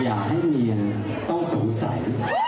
อย่าให้เมียต้องสูงใส